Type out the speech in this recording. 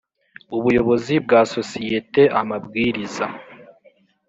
Ubuyobozi bwa sosiyete amabwiriza